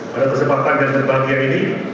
pada kesempatan yang terbahagia ini